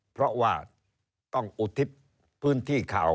เพราะว่าต้องอุทิศพื้นที่ข่าว